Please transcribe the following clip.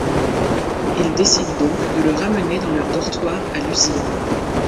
Ils décident donc de le ramener dans leur dortoir à l’usine.